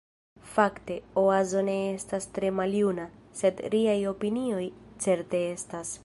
Fakte, Oazo ne estas tre maljuna, sed riaj opinioj certe estas.